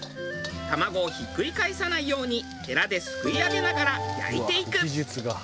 卵をひっくり返さないようにヘラですくい上げながら焼いていく。